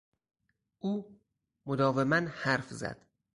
او مداوما حرف زد.